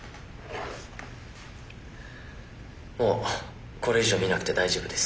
もうこれ以上見なくて大丈夫です。